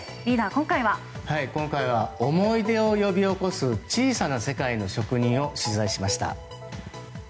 今回は思い出を呼び起こす小さな世界の職人を取材しました。